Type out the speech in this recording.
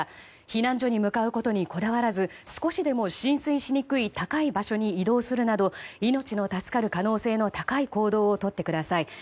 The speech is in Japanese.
避難所に向かうことにこだわらず少しでも浸水しにくい高い場所に移動するなど命の助かる可能性の高い行動をとってください。